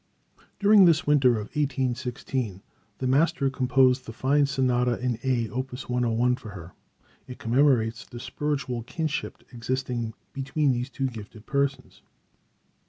During this winter of 1816 the master composed the fine sonata in A, opus 101, for her. It commemorates the spiritual kinship existing between these two gifted persons.